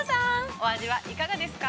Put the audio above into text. お味はいかがですか。